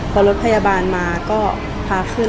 พอรถพยาบาลมาก็พาขึ้น